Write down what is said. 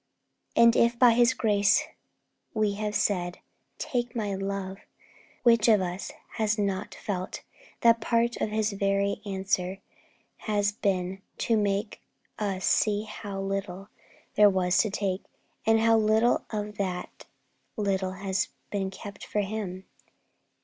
And if by His grace we have said, 'Take my love,' which of us has not felt that part of His very answer has been to make us see how little there was to take, and how little of that little has been kept for Him?